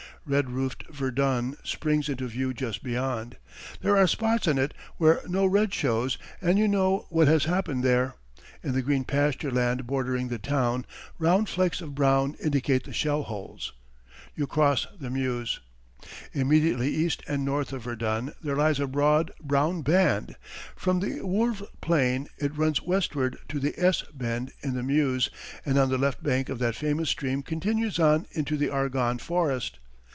Red roofed Verdun springs into view just beyond. There are spots in it where no red shows and you know what has happened there. In the green pasture land bordering the town, round flecks of brown indicate the shell holes. You cross the Meuse. Immediately east and north of Verdun there lies a broad, brown band. From the Woevre plain it runs westward to the "S" bend in the Meuse, and on the left bank of that famous stream continues on into the Argonne Forest.